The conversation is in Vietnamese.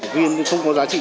viên cũng không có giá trị